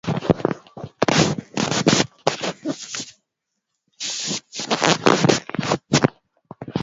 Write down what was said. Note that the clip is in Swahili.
Kikombe kubwa.